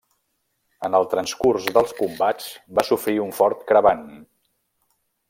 En el transcurs dels combats va sofrir un fort crebant.